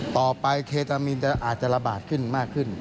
ต่อไปเคตามีนอาจจะระบาดขึ้นมากขึ้น